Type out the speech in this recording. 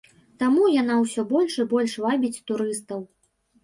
Таму яна ўсё больш і больш вабіць турыстаў.